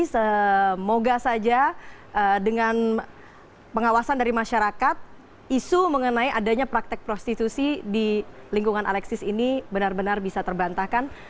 semoga saja dengan pengawasan dari masyarakat isu mengenai adanya praktek prostitusi di lingkungan alexis ini benar benar bisa terbantahkan